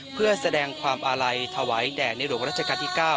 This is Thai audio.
เพื่อแสดงความอาลัยถวายแด่ในหลวงรัชกาลที่๙